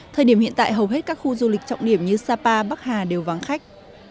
thời điểm hiện tại hầu hết các khu du lịch trọng điểm như sapa bắc hà đều vắng khách